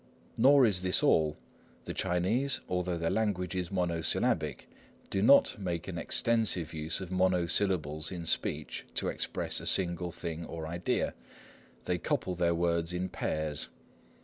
Nor is this all. The Chinese, although their language is monosyllabic, do not make an extensive use of monosyllables in speech to express a single thing or idea. They couple their words in pairs.